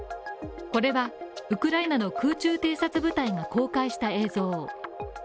これは、ウクライナの空中偵察部隊が公開した映像。